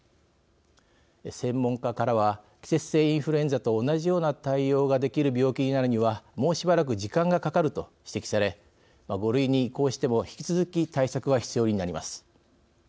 専門家からは季節性インフルエンザと同じような対応ができる病気になるにはもうしばらく時間がかかると指摘され５類に移行しても引き続き、対策は必要になります。